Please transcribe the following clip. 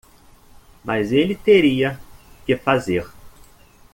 Mas ele teria que fazer.